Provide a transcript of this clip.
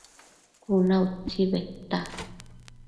Cuna utsi bedta